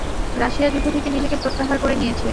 Russia যুদ্ধ থেকে নিজেকে প্রত্যাহার করে নিয়েছে।